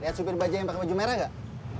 lihat supir baja yang pakai baju merah nggak